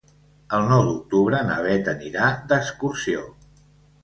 El nou d'octubre na Bet anirà d'excursió.